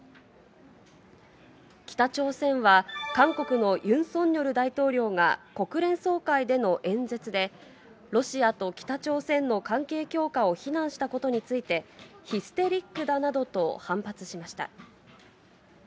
北朝鮮は、韓国のユン・ソンニョル大統領が国連総会での演説で、ロシアと北朝鮮の関係強化を非難したことについて、ヒステリックだなどと反発しました。